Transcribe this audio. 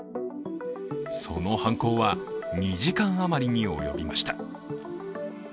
その犯行は、２時間余りにおよびました。